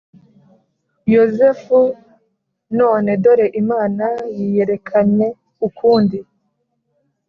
yozefu none dore imana yiyerekanye ukundi